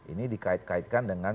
ini dikait kaitkan dengan